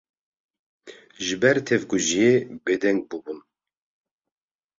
ji ber tevkujiyê bêdeng bûbûn